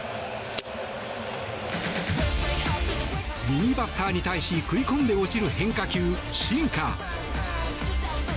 右バッターに対し食い込んで落ちる変化球シンカー。